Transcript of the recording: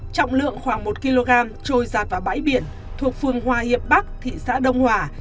trọng lượng khoảng một kg trôi rạt vào bãi biển thuộc phương hoa hiệp bắc thị xã đông hòa